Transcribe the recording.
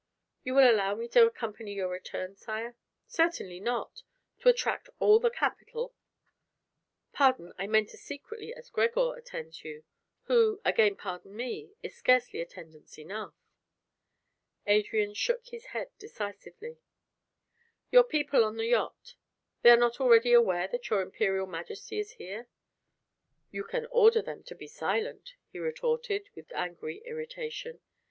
"You will allow me to accompany your return, sire?" "Certainly not, to attract all the capital!" "Pardon, I meant as secretly as Gregor attends you; who again pardon me is scarcely attendance enough." Adrian shook his head decisively. "Your people on the yacht " "They are not already aware that your Imperial Majesty is here?" "You can order them to be silent," he retorted, with angry irritation.